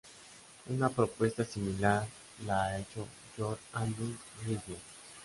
Una propuesta similar la ha hecho George Andrew Reisner.